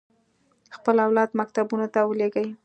خپل اولاد مکتبونو ته ولېږي.